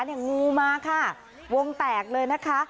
งูมาค่ะวงแตกเลยนะคะ